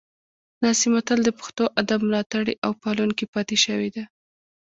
دا سیمه تل د پښتو ادب ملاتړې او پالونکې پاتې شوې ده